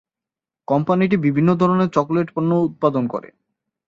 কোম্পানিটি বিভিন্ন ধরনের চকোলেট পণ্য উৎপাদন করে।